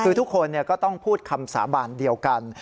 คือทุกคนก็ต้องพูดคำสาบานเดียวกัน